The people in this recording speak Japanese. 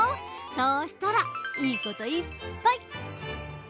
そうしたらいいこといっぱい！